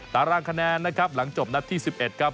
ตารางคะแนนนะครับหลังจบนัดที่๑๑ครับ